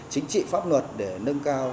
chính trị pháp luật để nâng cao